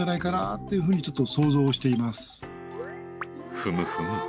ふむふむ！